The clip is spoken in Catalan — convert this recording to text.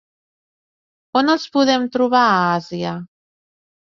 On els podem trobar a Àsia?